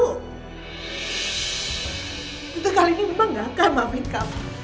untuk kali ini mbak gak akan maafin kamu